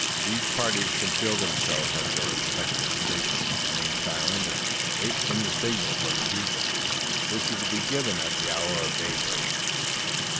These parties conceal themselves at their respective stations, remain silent, and wait for the signal from the bugle, which is to be given at the hour of daybreak.